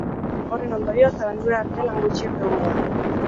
Horren ondorioz, abendura arte lan gutxi egongo da.